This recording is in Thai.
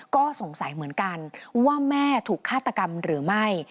ก็สงสัยเหมือนกันว่าแม่ถูกฆาตกรรมหรือไม่